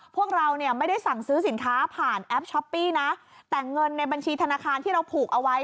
พวกเราเนี่ยไม่ได้สั่งซื้อสินค้าผ่านแอปช้อปปี้นะแต่เงินในบัญชีธนาคารที่เราผูกเอาไว้